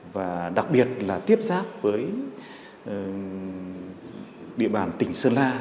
và đặc biệt là tiếp xác với địa bàn tỉnh sơn la